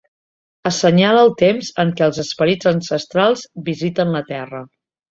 Assenyala el temps en què els esperits ancestrals visiten la Terra.